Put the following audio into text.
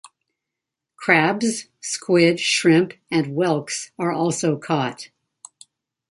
Crabs, squid, shrimp, and whelks are also caught.